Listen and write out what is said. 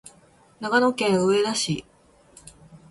長野県上田市